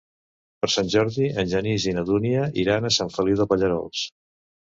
Per Sant Jordi en Genís i na Dúnia iran a Sant Feliu de Pallerols.